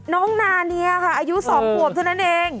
น้องนาเนียค่ะอายุ๒ขวบเท่านั้นเอง